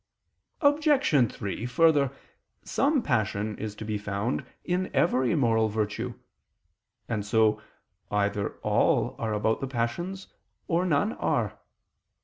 Obj. 3: Further, some passion is to be found in every moral virtue: and so either all are about the passions, or none are.